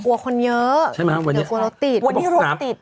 กลัวคนเยอะเดี๋ยวกลัวเราติดวันนี้รถติดใช่ไหมวันนี้